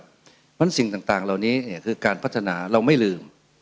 เพราะฉะนั้นสิ่งต่างเหล่านี้คือการพัฒนาเราไม่ลืม